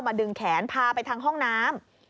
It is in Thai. ดึงแขนพาไปทางห้องน้ำ